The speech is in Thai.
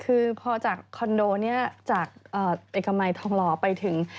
คือคอนโดนี้จากเอกอิมัยทองหล่อไปถึง